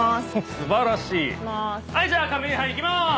素晴らしいはいじゃあカメリハいきます！